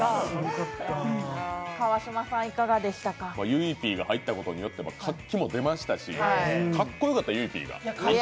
ゆいＰが入ったことによって活気も出ましたしかっこよかった、ゆいＰが。